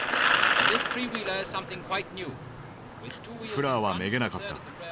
フラーはめげなかった。